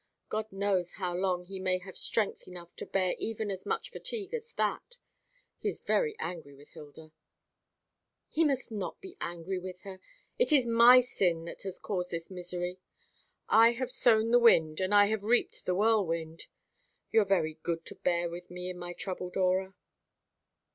God knows how long he may have strength enough to bear even as much fatigue as that. He is very angry with Hilda." "He must not be angry with her. It is my sin that has caused this misery. I have sown the wind, and I have reaped the whirlwind. You are very good to bear with me in my trouble, Dora."